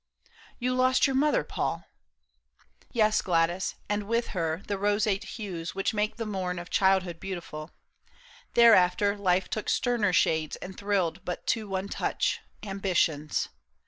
" You lost your mother, Paul !" PAUL I SHAM. 47 " Yes, Gladys, and with her the roseate hues AVhich make the morn of childhood beautiful. Thereafter life took sterner shades and thrilled But to one touch, Ambition's.